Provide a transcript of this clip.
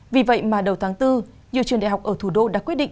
vì vậy mà đầu tháng bốn nhiều trường đại học ở thủ đô đã quyết định